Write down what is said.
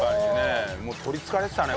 もうとりつかれてたね